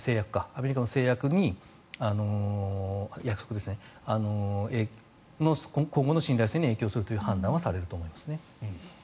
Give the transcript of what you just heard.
アメリカの約束に今後の信頼性に影響するという判断はされると思いますね。